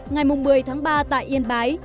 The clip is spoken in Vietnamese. ngày một mươi tháng ba tại yên bái